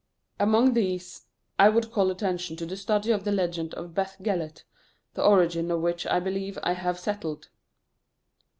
Among these, I would call attention to the study of the legend of Beth Gellert, the origin of which, I believe, I have settled.